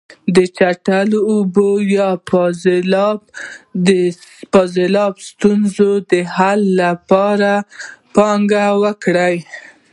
د چټلو اوبو یا فاضلاب ستونزې د حل لپاره یې پانګونه وکړه.